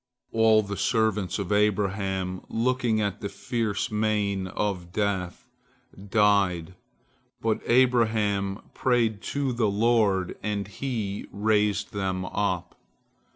All the servants of Abraham, looking at the fierce mien of Death, died, but Abraham prayed to the Lord, and he raised them up.